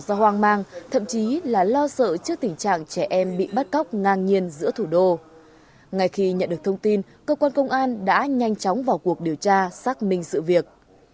nhiều người tỏ ra hoang măng thậm chí là lo sợ trước tình trạng trẻ em bị bắt cóc ngang nhiên giữa thủ đô ngay khi nhận được thông tin cơ quan công an đã nhanh chóng vào cuộc điều tra xác minh sự việc